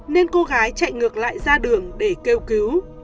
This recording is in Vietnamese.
nên cô gái chạy ngược lại ra đường để kêu cứu